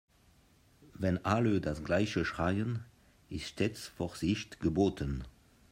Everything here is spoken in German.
Wenn alle das gleiche schreien, ist stets Vorsicht geboten.